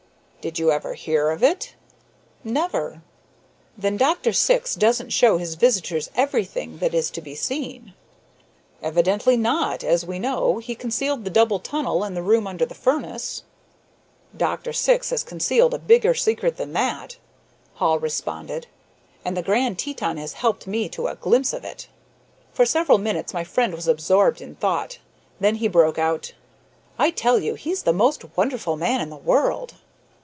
"Did you ever hear of it?" "Never." "Then Dr. Syx doesn't show his visitors everything that is to be seen." "Evidently not since, as we know, he concealed the double tunnel and the room under the furnace." "Dr. Syx has concealed a bigger secret than that," Hall responded, "and the Grand Teton has helped me to a glimpse of it." For several minutes my friend was absorbed in thought. Then he broke out: "I tell you he's the most wonderful man in the world!"